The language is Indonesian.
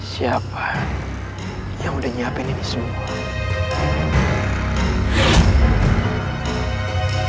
siapa yang sudah menyiapkan ini semua